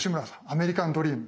アメリカンドリーム。